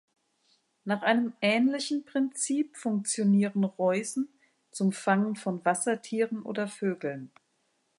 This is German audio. Nach einem ähnlichen Prinzip funktionieren Reusen zum Fangen von Wassertieren oder Vögeln.